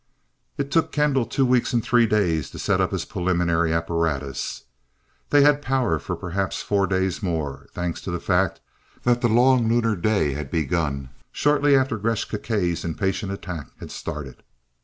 It took Kendall two weeks and three days to set up his preliminary apparatus. They had power for perhaps four days more, thanks to the fact that the long Lunar day had begun shortly after Gresth Gkae's impatient attack had started.